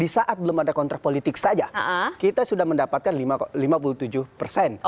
di saat belum ada kontrak politik saja kita sudah mendapatkan lima puluh tujuh persen